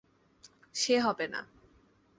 সে হবে না।